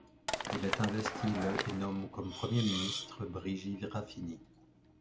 Il est investi le et nomme comme Premier ministre Brigi Rafini.